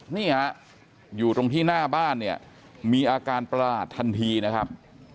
นี่ฮะอยู่ตรงที่หน้าบ้านเนี่ยมีอาการประหลาดทันทีนะครับ